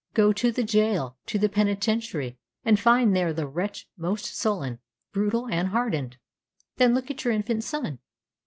Go to the jail, to the penitentiary, and find there the wretch most sullen, brutal, and hardened. Then look at your infant son.